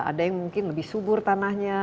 ada yang mungkin lebih subur tanahnya